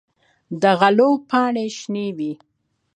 د غلو پاڼې شنه وي.